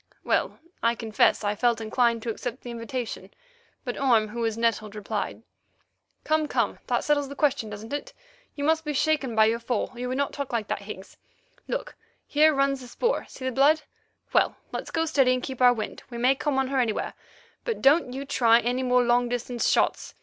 Well, I confess I felt inclined to accept the invitation, but Orme, who was nettled, replied: "Come, come; that settles the question, doesn't it? You must be shaken by your fall, or you would not talk like that, Higgs. Look, here runs the spoor—see the blood? Well, let's go steady and keep our wind. We may come on her anywhere, but don't you try any more long distance shots.